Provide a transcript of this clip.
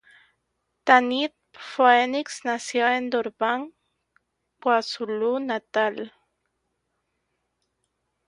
Tanit Phoenix nació en Durban, KwaZulu-Natal.